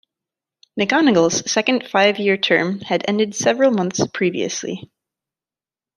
McGonagle's second five year term had ended several months previously.